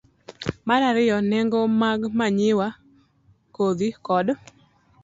Mar ariyo, nengo mag manyiwa, kodhi, kod